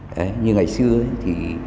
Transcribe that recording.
đấy như ngày xưa ấy thì